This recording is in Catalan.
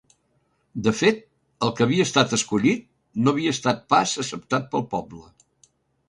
De fet el que havia estat escollit no havia estat pas acceptat pel poble.